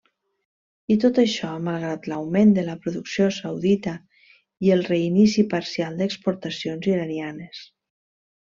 I tot això, malgrat l'augment de la producció saudita i el reinici parcial d'exportacions iranianes.